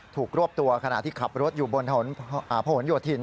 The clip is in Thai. ถูกรวบตัวขณะที่ขับรถอยู่บนผลโหนโยธิน